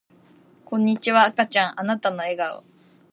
こんにちは赤ちゃんあなたの笑顔